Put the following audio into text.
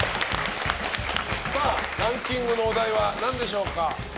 ランキングのお題は何でしょうか。